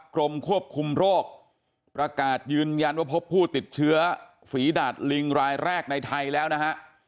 กรมควบคุมโรคประกาศยืนยันว่าพบผู้ติดเชื้อฝีดาดลิงรายแรกในไทยแล้วนะฮะ